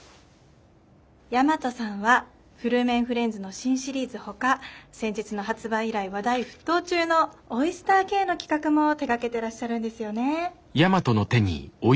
大和さんはフルーメンフレンズの新シリーズほか先日の発売以来話題沸騰中のオイスターＫの企画も手がけてらっしゃるんですよね。